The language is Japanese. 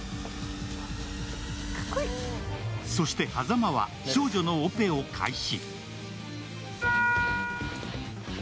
そして波佐間は少女のオペを開始。